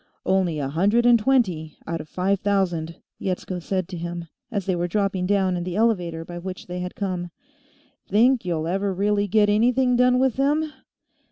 "Only a hundred and twenty, out of five thousand," Yetsko said to him, as they were dropping down in the elevator by which they had come. "Think you'll ever really get anything done with them?"